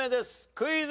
クイズ。